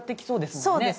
そうですね。